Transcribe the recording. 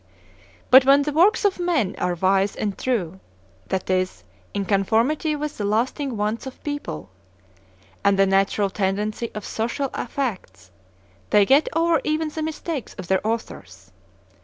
But when the works of men are wise and true, that is, in conformity with the lasting wants of peoples, and the natural tendency of social facts, they get over even the mistakes of their authors.